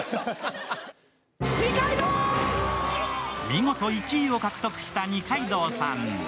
見事１位を獲得した二階堂さん。